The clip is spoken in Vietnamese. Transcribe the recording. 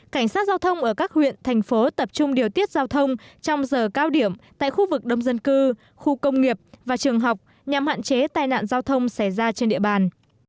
cảnh sát giao thông ở các huyện thành phố tập trung điều tiết giao thông trong giờ cao điểm tại khu vực đông dân cư khu công nghiệp và trường học nhằm hạn chế tai nạn giao thông xảy ra trên địa bàn